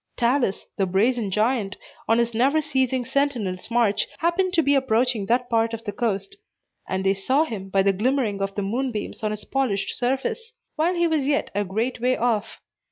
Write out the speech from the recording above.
Talus, the brazen giant, on his never ceasing sentinel's march, happened to be approaching that part of the coast; and they saw him, by the glimmering of the moonbeams on his polished surface, while he was yet a great way off.